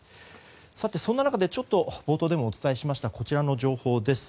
さてそんな中で冒頭でもお伝えしましたこちらの情報です。